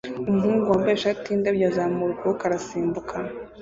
Umuhungu wambaye ishati yindabyo azamura ukuboko arasimbuka